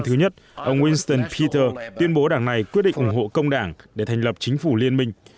thứ nhất ông winston peter tuyên bố đảng này quyết định ủng hộ công đảng để thành lập chính phủ liên minh